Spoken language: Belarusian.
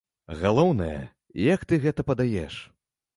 Галоўнае, як ты гэта падаеш.